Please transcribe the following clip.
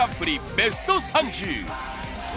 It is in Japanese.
ベスト３０。